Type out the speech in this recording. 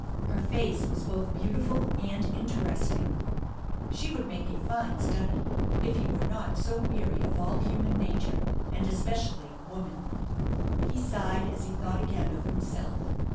Her face was both beautiful and interesting. She would make a fine study if he were not so weary of all human nature, and especially woman. He sighed as he thought again of himself.